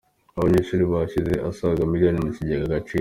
Abanyeshuri bashyize asaga miliyoni mu kigega agaciro